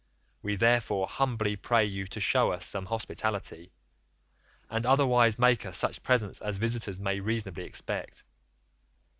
We therefore humbly pray you to show us some hospitality, and otherwise make us such presents as visitors may reasonably expect.